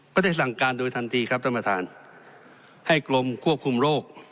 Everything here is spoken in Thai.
ก็ได้สั่งการโดยทันทีครับท่านประธานให้กรมควบคุมโรค